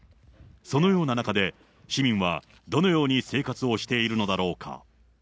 そのような中で、市民はどのように生活をしているのだろうか。